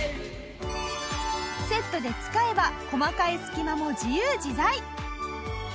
セットで使えば細かい隙間も自由自在！